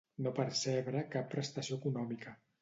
No percebre cap prestació econòmica.